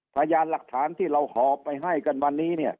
พยานหลักฐานที่เราหอบไปให้กันวันนี้เนี่ย